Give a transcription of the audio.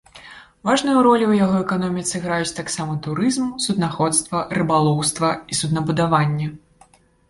Важную ролю ў яго эканоміцы граюць таксама турызм, суднаходства, рыбалоўства і суднабудаванне.